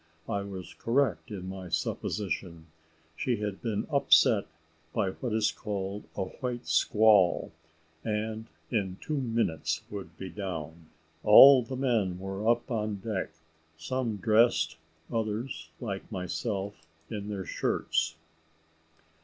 I was correct in my supposition: she had been upset by what is called a white squall, and in two minutes would be down. All the men were up on deck, some dressed, others, like myself, in their shirts.